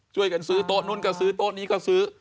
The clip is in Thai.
ช่วยกันซื้อโต๊ะนู้นก็ซื้อโต๊ะนี้ก็ซื้อ